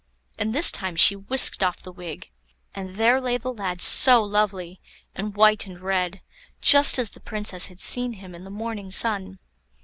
[Illustration: And this time she whisked off the wig; and there lay the lad, so lovely, and white and red, just as the Princess had seen him in the morning sun.